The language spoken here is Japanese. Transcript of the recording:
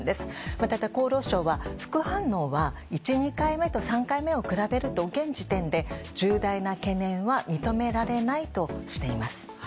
また厚労省は、副反応は１、２回目と３回目を比べると現時点で重大な懸念は認められないとしています。